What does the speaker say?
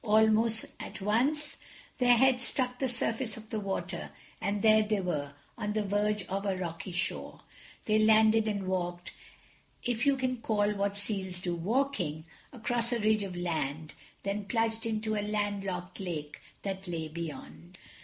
Almost at once their heads struck the surface of the water, and there they were, on the verge of a rocky shore. They landed, and walked—if you can call what seals do walking—across a ridge of land, then plunged into a landlocked lake that lay beyond.